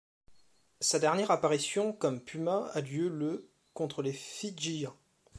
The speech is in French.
Sa dernière apparition comme Puma a lieu le contre les Fidjiens.